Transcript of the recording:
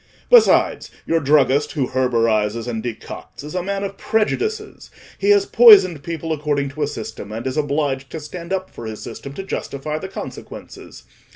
Besides, your druggist, who herborises and decocts, is a man of prejudices: he has poisoned people according to a system, and is obliged to stand up for his system to justify the consequences.